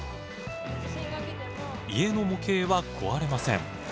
家の模型は壊れません。